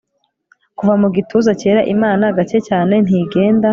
Kuva mu gituza cyera Imana gake cyane ntigenda